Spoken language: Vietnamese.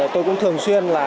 tôi cũng thường xuyên